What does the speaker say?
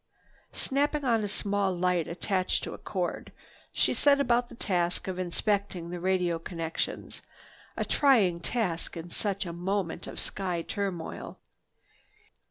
Snapping on a small light attached to a cord, she set about the task of inspecting the radio connections, a trying task in such a moment of sky turmoil.